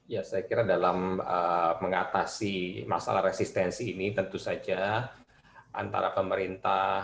ya saya kira dalam mengatasi masalah resistensi ini tentu saja antara pemerintah